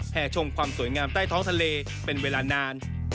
ชมความสวยงามใต้ท้องทะเลเป็นเวลานาน